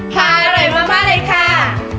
ขาอร่อยมากมากเลยครับ